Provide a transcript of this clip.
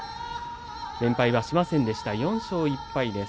連敗はしませんでした４勝１敗です。